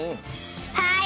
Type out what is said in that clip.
はい！